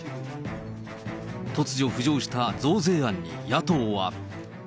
突如浮上した増税案に、野党は。